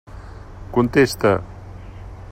Contesta!